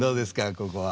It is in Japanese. ここは。